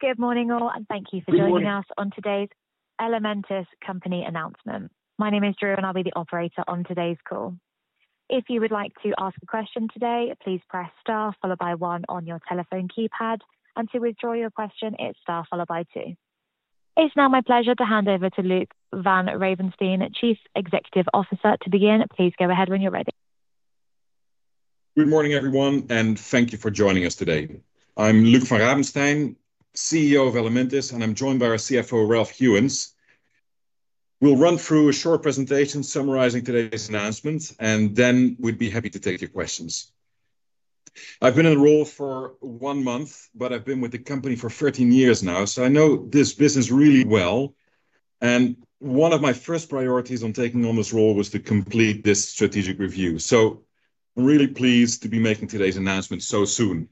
Good morning, all, and thank you for joining us on today's Elementis Company announcement. My name is Drew, and I'll be the operator on today's call. If you would like to ask a question today, please press star followed by one on your telephone keypad, and to withdraw your question, it's star followed by two. It's now my pleasure to hand over to Luc Van Ravenstein, Chief Executive Officer. To begin, please go ahead when you're ready. Good morning, everyone, and thank you for joining us today. I'm Luc Van Ravenstein, CEO of Elementis, and I'm joined by our CFO, Ralph Hewins. We'll run through a short presentation summarizing today's announcement, and then we'd be happy to take your questions. I've been in the role for one month, but I've been with the company for 13 years now, so I know this business really well. One of my first priorities on taking on this role was to complete this strategic review. I'm really pleased to be making today's announcement so soon.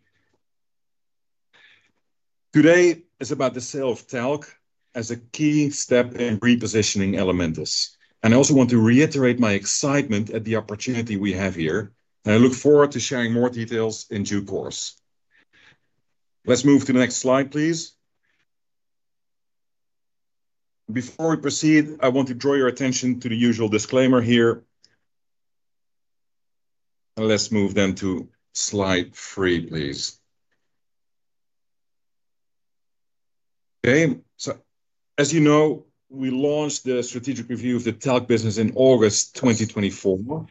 Today is about the sale of Talc as a key step in repositioning Elementis. I also want to reiterate my excitement at the opportunity we have here, and I look forward to sharing more details in due course. Let's move to the next slide, please. Before we proceed, I want to draw your attention to the usual disclaimer here. Let's move then to slide three, please. Okay. As you know, we launched the strategic review of the Talc business in August 2024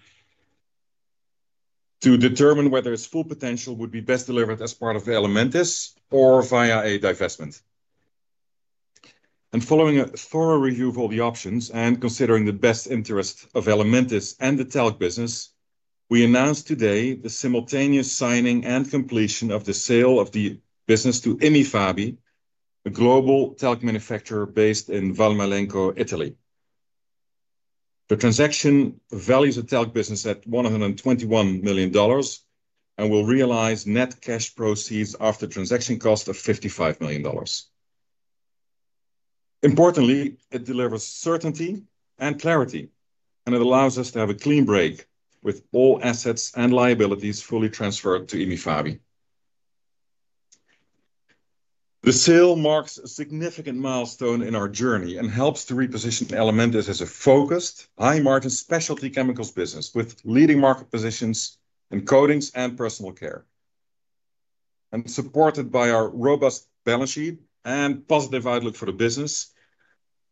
to determine whether its full potential would be best delivered as part of Elementis or via a divestment. Following a thorough review of all the options and considering the best interest of Elementis and the Talc business, we announced today the simultaneous signing and completion of the sale of the business to IMI FABI, a global Talc manufacturer based in Valmalenco, Italy. The transaction values the Talc business at $121 million and will realize net cash proceeds after transaction cost of $55 million. Importantly, it delivers certainty and clarity, and it allows us to have a clean break with all assets and liabilities fully transferred to IMI FABI. The sale marks a significant milestone in our journey and helps to reposition Elementis as a focused, high-margin specialty chemicals business with leading market positions in coatings and personal care. Supported by our robust balance sheet and positive outlook for the business,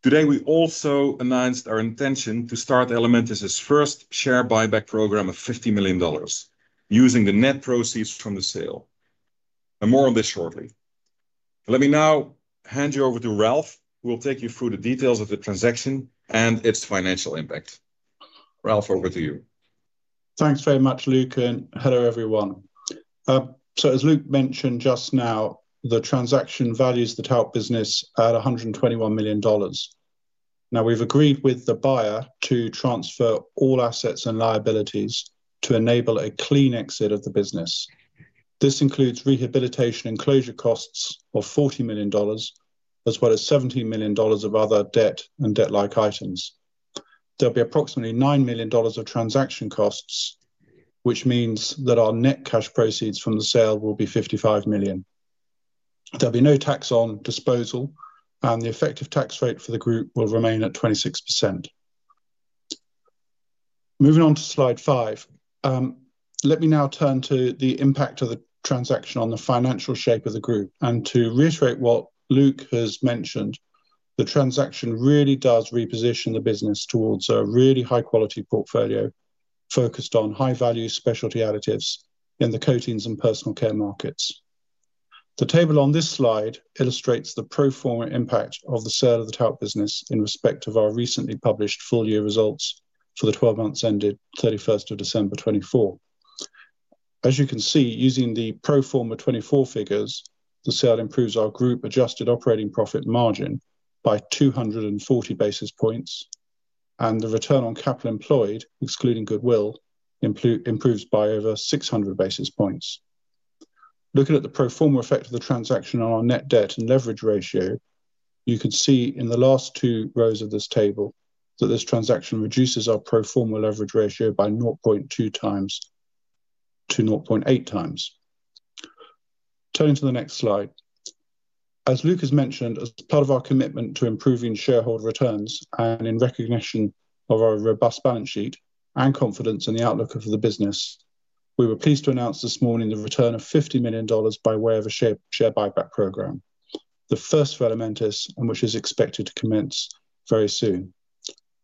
today we also announced our intention to start Elementis' first share buyback program of $50 million using the net proceeds from the sale. More on this shortly. Let me now hand you over to Ralph, who will take you through the details of the transaction and its financial impact. Ralph, over to you. Thanks very much, Luc, and hello, everyone. As Luc mentioned just now, the transaction values the Talc business at $121 million. Now, we've agreed with the buyer to transfer all assets and liabilities to enable a clean exit of the business. This includes rehabilitation and closure costs of $40 million, as well as $17 million of other debt and debt-like items. There'll be approximately $9 million of transaction costs, which means that our net cash proceeds from the sale will be $55 million. There'll be no tax on disposal, and the effective tax rate for the group will remain at 26%. Moving on to slide five, let me now turn to the impact of the transaction on the financial shape of the group. To reiterate what Luc has mentioned, the transaction really does reposition the business towards a really high-quality portfolio focused on high-value specialty additives in the coatings and personal care markets. The table on this slide illustrates the pro forma impact of the sale of the Talc business in respect of our recently published full-year results for the 12 months ended 31st of December 2024. As you can see, using the pro forma 2024 figures, the sale improves our group-adjusted operating profit margin by 240 basis points, and the return on capital employed, excluding goodwill, improves by over 600 basis points. Looking at the pro forma effect of the transaction on our net debt and leverage ratio, you can see in the last two rows of this table that this transaction reduces our pro forma leverage ratio by 0.2 times to 0.8 times. Turning to the next slide. As Luc has mentioned, as part of our commitment to improving shareholder returns and in recognition of our robust balance sheet and confidence in the outlook of the business, we were pleased to announce this morning the return of $50 million by way of a share buyback program, the first for Elementis and which is expected to commence very soon.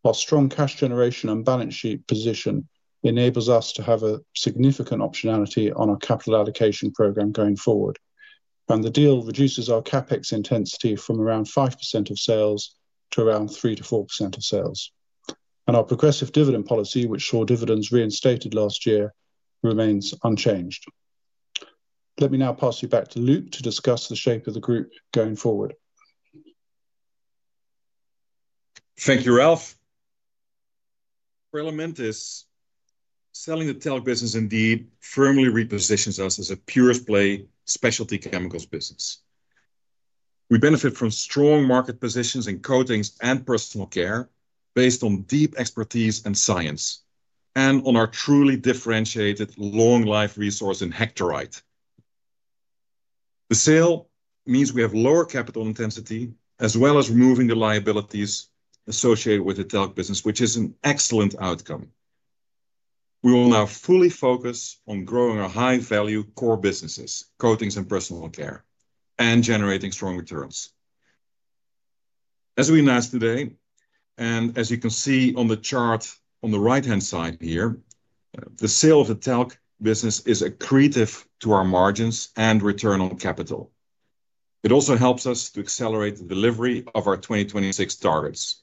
Our strong cash generation and balance sheet position enables us to have significant optionality on our capital allocation program going forward, and the deal reduces our CapEx intensity from around 5% of sales to around 3-4% of sales. Our progressive dividend policy, which saw dividends reinstated last year, remains unchanged. Let me now pass you back to Luc to discuss the shape of the group going forward. Thank you, Ralph. For Elementis, selling the Talc business indeed firmly repositions us as a purist-blade specialty chemicals business. We benefit from strong market positions in coatings and personal care based on deep expertise and science, and on our truly differentiated long-life resource in hectorite. The sale means we have lower capital intensity as well as removing the liabilities associated with the Talc business, which is an excellent outcome. We will now fully focus on growing our high-value core businesses, coatings and personal care, and generating strong returns. As we announced today, and as you can see on the chart on the right-hand side here, the sale of the Talc business is accretive to our margins and return on capital. It also helps us to accelerate the delivery of our 2026 targets.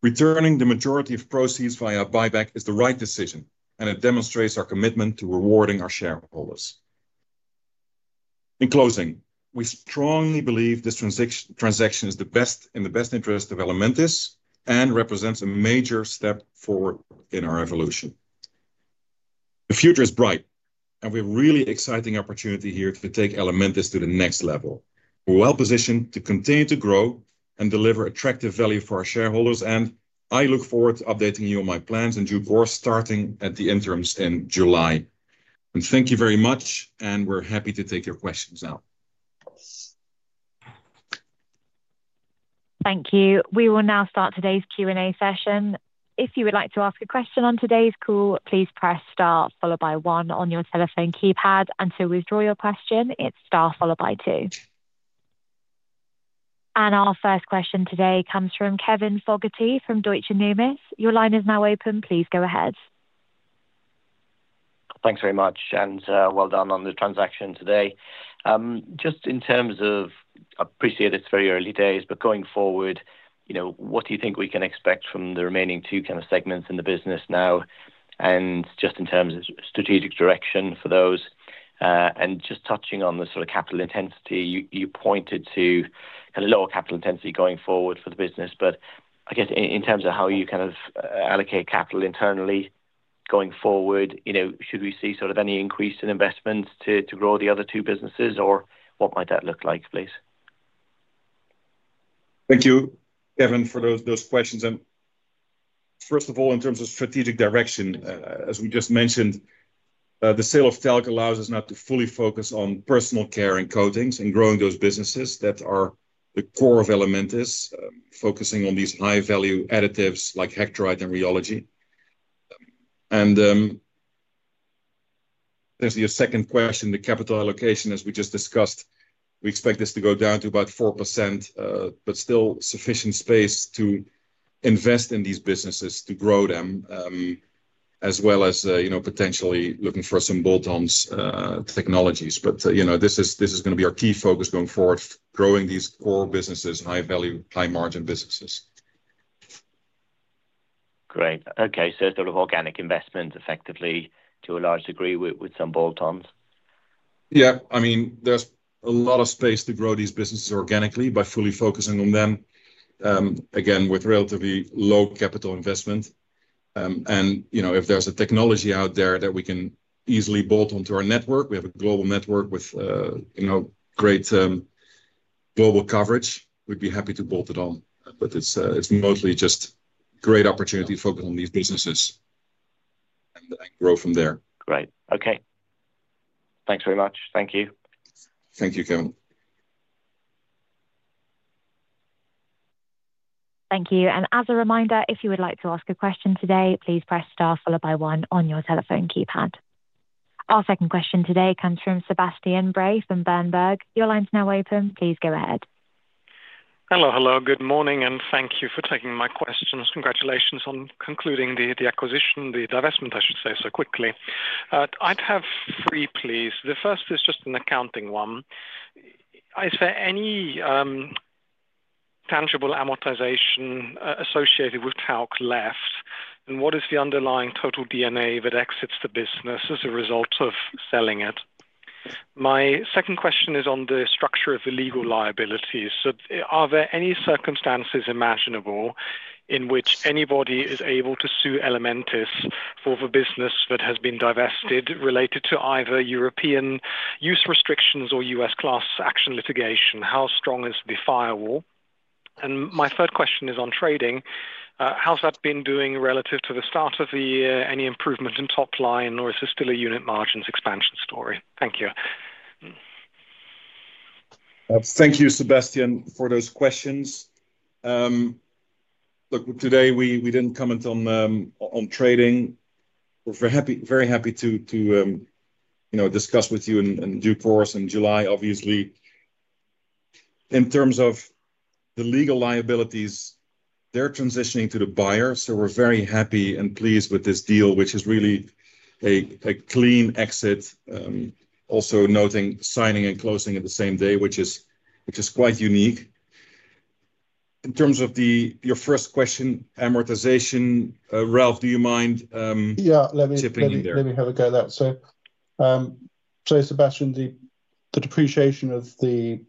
Returning the majority of proceeds via buyback is the right decision, and it demonstrates our commitment to rewarding our shareholders. In closing, we strongly believe this transaction is in the best interest of Elementis and represents a major step forward in our evolution. The future is bright, and we have a really exciting opportunity here to take Elementis to the next level. We're well positioned to continue to grow and deliver attractive value for our shareholders, and I look forward to updating you on my plans in due course starting at the interims in July. Thank you very much, and we're happy to take your questions now. Thank you. We will now start today's Q&A session. If you would like to ask a question on today's call, please press star followed by one on your telephone keypad. To withdraw your question, it's star followed by two. Our first question today comes from Kevin Fogarty from Deutsche Numis. Your line is now open. Please go ahead. Thanks very much, and well done on the transaction today. Just in terms of, I appreciate it's very early days, but going forward, what do you think we can expect from the remaining two kind of segments in the business now? Just in terms of strategic direction for those, and just touching on the sort of capital intensity, you pointed to kind of lower capital intensity going forward for the business. I guess in terms of how you kind of allocate capital internally going forward, should we see sort of any increase in investments to grow the other two businesses, or what might that look like, please? Thank you, Kevin, for those questions. First of all, in terms of strategic direction, as we just mentioned, the sale of Talc allows us now to fully focus on personal care and coatings and growing those businesses that are the core of Elementis, focusing on these high-value additives like hectorite and rheology. As to your second question, the capital allocation, as we just discussed, we expect this to go down to about 4%, but still sufficient space to invest in these businesses to grow them, as well as potentially looking for some bolt-ons technologies. This is going to be our key focus going forward, growing these core businesses, high-value, high-margin businesses. Great. Okay. So sort of organic investment effectively to a large degree with some bolt-ons. Yeah. I mean, there's a lot of space to grow these businesses organically by fully focusing on them, again, with relatively low capital investment. If there's a technology out there that we can easily bolt onto our network, we have a global network with great global coverage, we'd be happy to bolt it on. It's mostly just a great opportunity to focus on these businesses and grow from there. Great. Okay. Thanks very much. Thank you. Thank you, Kevin. Thank you. As a reminder, if you would like to ask a question today, please press star followed by one on your telephone keypad. Our second question today comes from Sebastian Bray from Berenberg. Your line's now open. Please go ahead. Hello. Good morning, and thank you for taking my questions. Congratulations on concluding the acquisition, the divestment, I should say, so quickly. I'd have three, please. The first is just an accounting one. Is there any tangible amortization associated with Talc left, and what is the underlying total DNA that exits the business as a result of selling it? My second question is on the structure of the legal liabilities. Are there any circumstances imaginable in which anybody is able to sue Elementis for the business that has been divested related to either European use restrictions or US class action litigation? How strong is the firewall? My third question is on trading. How's that been doing relative to the start of the year? Any improvement in top line, or is this still a unit margins expansion story? Thank you. Thank you, Sebastian, for those questions. Look, today we did not comment on trading. We are very happy to discuss with you in due course in July, obviously. In terms of the legal liabilities, they are transitioning to the buyer, so we are very happy and pleased with this deal, which is really a clean exit, also noting signing and closing at the same day, which is quite unique. In terms of your first question, amortization, Ralph, do you mind chipping in there? Yeah. Let me have a go at that. So, Sebastian, the depreciation of the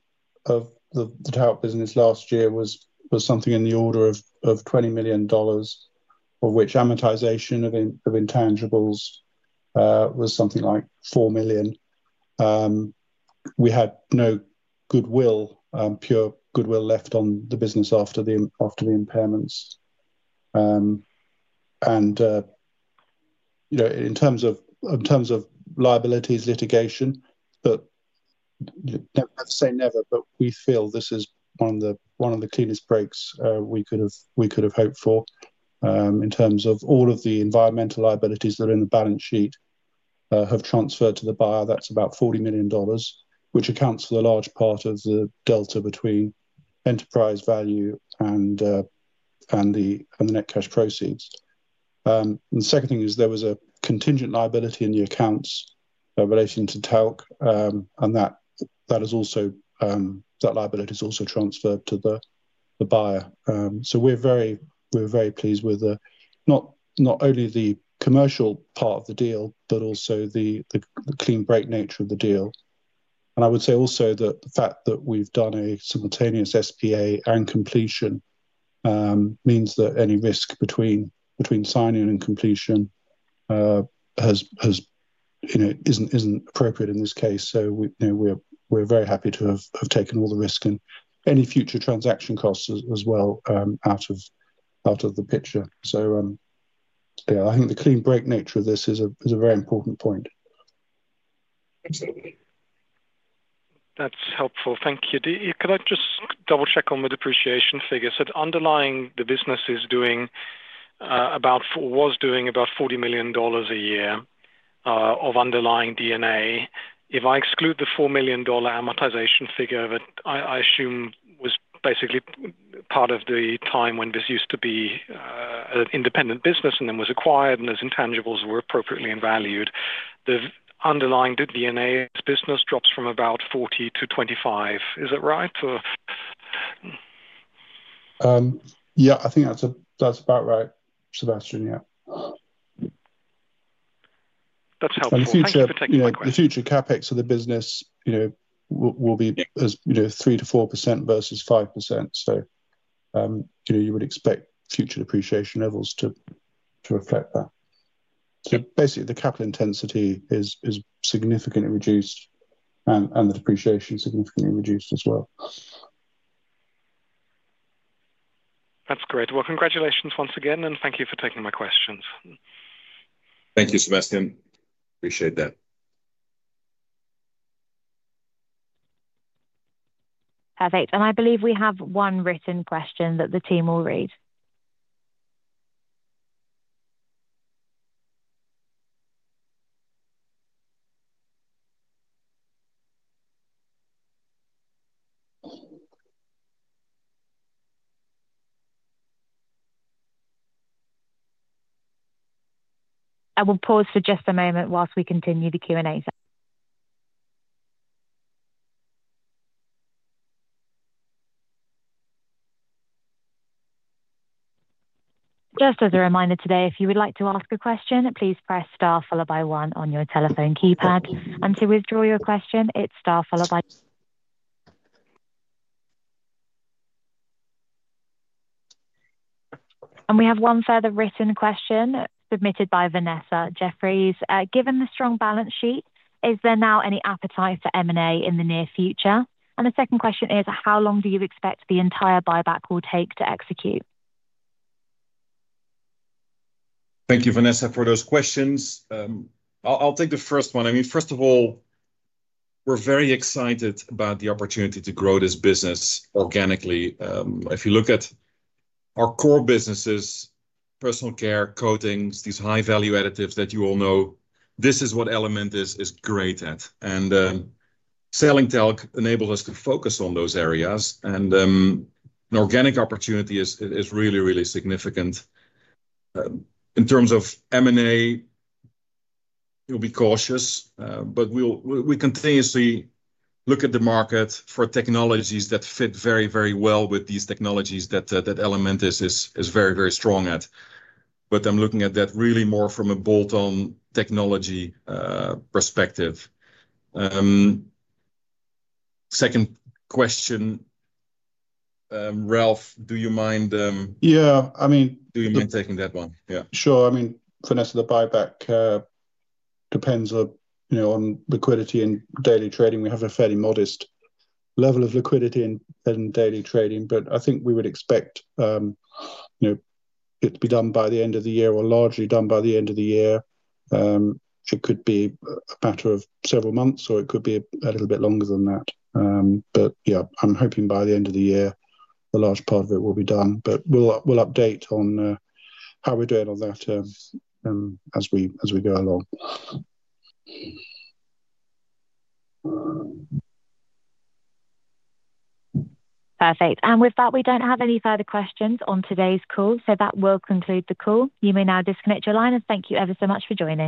Talc business last year was something in the order of $20 million, of which amortization of intangibles was something like $4 million. We had no goodwill, pure goodwill left on the business after the impairments. In terms of liabilities litigation, I'd say never, but we feel this is one of the cleanest breaks we could have hoped for. In terms of all of the environmental liabilities that are in the balance sheet have transferred to the buyer, that's about $40 million, which accounts for a large part of the delta between enterprise value and the net cash proceeds. The second thing is there was a contingent liability in the accounts relating to Talc, and that liability has also transferred to the buyer. We're very pleased with not only the commercial part of the deal, but also the clean break nature of the deal. I would say also that the fact that we've done a simultaneous SPA and completion means that any risk between signing and completion isn't appropriate in this case. We're very happy to have taken all the risk and any future transaction costs as well out of the picture. Yeah, I think the clean break nature of this is a very important point. That's helpful. Thank you. Could I just double-check on the depreciation figures? So underlying, the business was doing about $40 million a year of underlying DNA. If I exclude the $4 million amortization figure that I assume was basically part of the time when this used to be an independent business and then was acquired and those intangibles were appropriately valued, the underlying DNA business drops from about 40-25. Is that right? Yeah. I think that's about right, Sebastian. Yeah. That's helpful. Thanks for taking that away. In the future, CapEx of the business will be 3-4% versus 5%. You would expect future depreciation levels to reflect that. Basically, the capital intensity is significantly reduced and the depreciation significantly reduced as well. That's great. Congratulations once again, and thank you for taking my questions. Thank you, Sebastian. Appreciate that. Perfect. I believe we have one written question that the team will read. I will pause for just a moment whilst we continue the Q&A session. Just as a reminder today, if you would like to ask a question, please press star followed by one on your telephone keypad. To withdraw your question, it's star followed by. We have one further written question submitted by Vanessa Jeffries. Given the strong balance sheet, is there now any appetite for M&A in the near future? The second question is, how long do you expect the entire buyback will take to execute? Thank you, Vanessa, for those questions. I'll take the first one. I mean, first of all, we're very excited about the opportunity to grow this business organically. If you look at our core businesses, personal care, coatings, these high-value additives that you all know, this is what Elementis is great at. Selling Talc enables us to focus on those areas. An organic opportunity is really, really significant. In terms of M&A, we'll be cautious, but we continuously look at the market for technologies that fit very, very well with these technologies that Elementis is very, very strong at. I'm looking at that really more from a bolt-on technology perspective. Second question, Ralph, do you mind? Yeah. I mean. Do you mind taking that one? Yeah. Sure. I mean, Vanessa, the buyback depends on liquidity and daily trading. We have a fairly modest level of liquidity in daily trading, but I think we would expect it to be done by the end of the year or largely done by the end of the year. It could be a matter of several months, or it could be a little bit longer than that. Yeah, I'm hoping by the end of the year, a large part of it will be done. We will update on how we're doing on that as we go along. Perfect. With that, we do not have any further questions on today's call, so that will conclude the call. You may now disconnect your line. Thank you ever so much for joining.